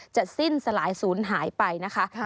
จะสิ้นสลายศูนย์หายไปนะคะ